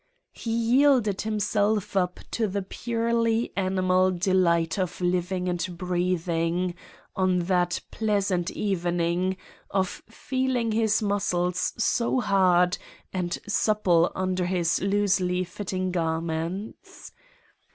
He yielded himself up to the purely animal delight of living and breathing, on that pleasant evening, of feeling his muscles so hard and supple under his loosely fitting garments.